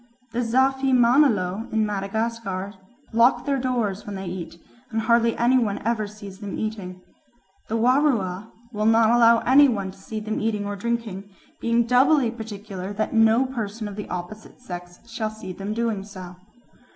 The Zafimanelo in Madagascar lock their doors when they eat, and hardly any one ever sees them eating. The Warua will not allow any one to see them eating and drinking, being doubly particular that no person of the opposite sex shall see them doing so.